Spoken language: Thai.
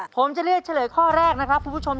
ผมจะเลือกเฉลยข้อแรกนะครับคุณผู้ชม